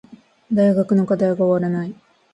大学の課題が終わらない